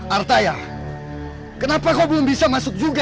artayar kenapa kau belum bisa masuk juga